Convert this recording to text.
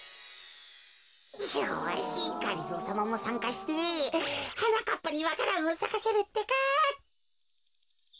よしがりぞーさまもさんかしてはなかっぱにわか蘭をさかせるってか。